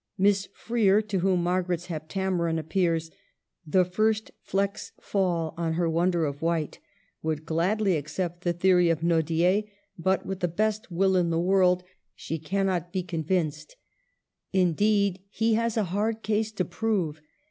Miss Freer, to whom Margaret's Heptameron " appears — "The first.fleck's fall on her wonder of white," would gladly accept the theory of Nodier; but, with the best will in the world, she cannot be 228 MARGARET OF ANGOL/LJ^ME. convinced. Indeed, he has a hard case to prove.